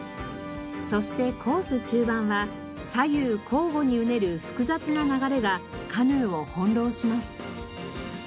そしてコース中盤は左右交互にうねる複雑な流れがカヌーを翻弄します。